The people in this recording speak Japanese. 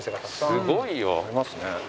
すごいよ。ありますね。